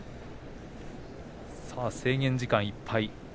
制限時間いっぱい。